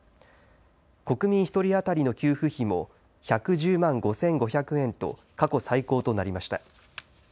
国民１人当たりの給付費も１１０万５５００円と過去最高となりました。